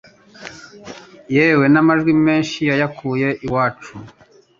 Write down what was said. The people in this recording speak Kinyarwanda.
yewe n'amajwi menshi yayakuye iwacu